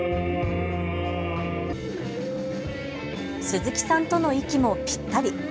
鈴木さんとの息もぴったり。